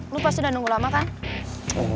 lo pasti udah nunggu lama kan